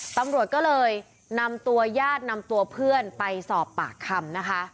ตำรวจก็เลยนำตัวญาตินำตัวเพื่อนไปสอบปากคำนะคะ